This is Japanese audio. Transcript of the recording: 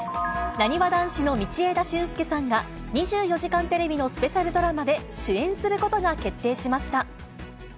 なにわ男子の道枝駿佑さんが、２４時間テレビのスペシャルドラマで主演することが決定しました。